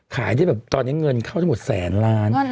ขายได้อะแบบตอนนี้เงินเข้าหมดแสนล้าน